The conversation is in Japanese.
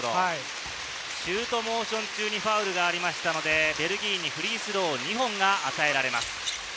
シュートモーション中にファウルがありましたので、ベルギーにフリースロー２本が与えられます。